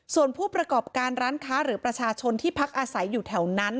ส่วนผู้ประกอบการร้านค้าหรือประชาชนที่พักอาศัยอยู่แถวนั้น